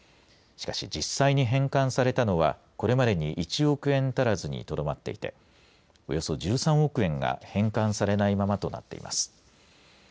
しかし、実際に返還されたのはこれまでに１億円足らずにとどまっていておよそ１３億円が返還されないままとなっています。